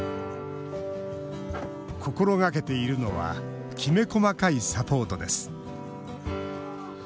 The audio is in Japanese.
心がけているのはきめ細かいサポートです。